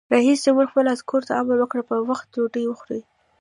رئیس جمهور خپلو عسکرو ته امر وکړ؛ په وخت ډوډۍ وخورئ!